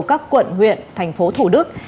các quận huyện thành phố thủ đức